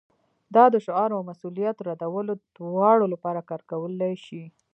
دا د شعار او مسؤلیت ردولو دواړو لپاره کار کولی شي